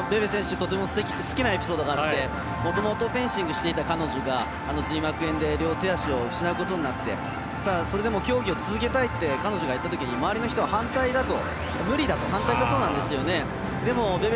とても好きなエピソードがあってフェンシングをしていたんですが髄膜炎で両手足を失うことになってそれでも競技を続けたいって言ったとき、周りの選手は反対だと、無理だと反対したそうなんですよね。